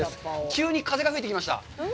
急に風が吹いてきました。